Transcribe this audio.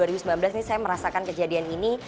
dua ribu sembilan belas ini saya merasakan kejadian ini